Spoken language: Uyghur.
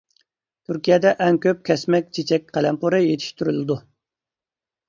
تۈركىيەدە ئەڭ كۆپ كەسمە چېچەك قەلەمپۇرى يېتىشتۈرۈلىدۇ.